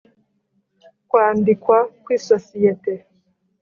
Kwandikwa kw isosiyete